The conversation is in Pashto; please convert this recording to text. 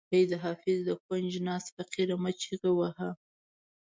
ای حافظ د کونج ناست فقیر مه چیغه وهه.